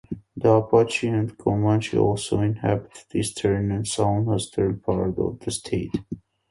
The Apache and the Comanche also inhabited Eastern and Southeastern parts of the state.